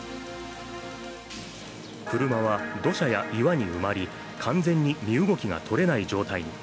車は土砂や岩に埋まり、完全に身動きがとれない状態に。